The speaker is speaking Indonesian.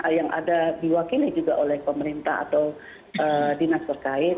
yang ada diwakili juga oleh pemerintah atau dinas terkait